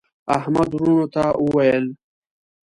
احمد وروڼو ته وویل: